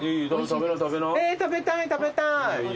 えっ食べたい食べたい。